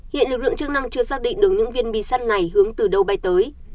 hiện lực lượng chức năng chưa xác định được những viên bi sắt này hướng từ đâu bay tới